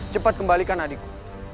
cepat kembalikan adikku